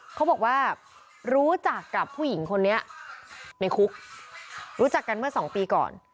เขาบอกว่ารู้จักกับผู้หญิงคนนี้ในคุกรู้จักกันเมื่อสองปีก่อน